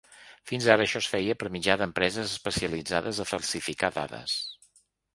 Fins ara això es feia per mitjà d’empreses especialitzades a falsificar dades.